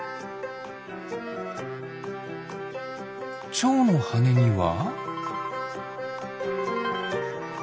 チョウのはねには？